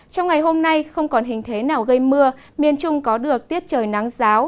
trong ngày hôm nay không còn hình thế nào gây mưa miền trung có được tiết trời nắng giáo